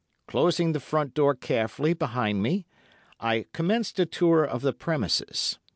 Closing the front door carefully behind me, I commenced a tour of the premises.